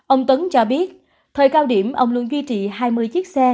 ông tấn cho biết thời cao điểm ông luôn duy trì hai mươi chiếc xe